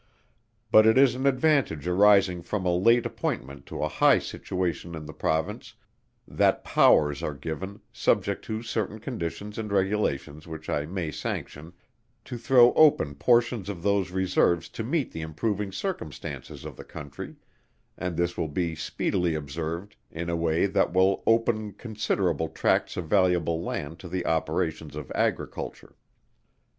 But it is an advantage arising from a late appointment to a high situation in the Province, that powers are given, subject to certain conditions and regulations which I may sanction, to throw open portions of those reserves to meet the improving circumstances of the Country, and this will be speedily observed in a way that will open considerable tracts of valuable Land to the operations of Agriculture.